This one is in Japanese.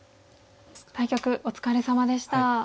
対局お疲れさまでした。